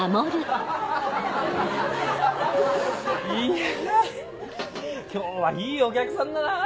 いや今日はいいお客さんだな。